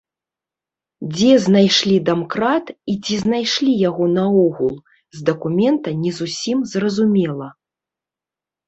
Дзе знайшлі дамкрат і ці знайшлі яго наогул, з дакумента не зусім зразумела.